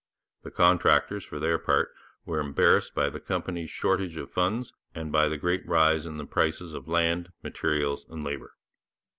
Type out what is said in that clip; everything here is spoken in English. The contractors, for their part, were embarrassed by the company's shortage of funds and by the great rise in the prices of land, materials, and labour.